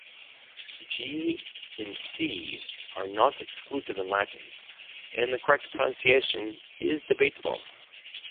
G and C are not exclusive in Latin and the correct pronunciation is debatable.